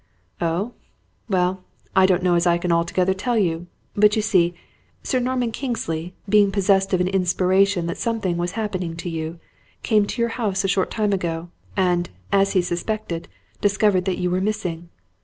"Oh, well, I don't know as I can altogether tell you; but you see, Sir Norman Kingsley being possessed of an inspiration that something was happening to you, came to your house a short time ago, and, as he suspected, discovered that you were missing.